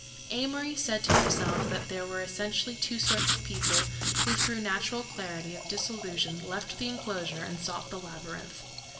Amory said to himself that there were essentially two sorts of people who through natural clarity or disillusion left the enclosure and sought the labyrinth.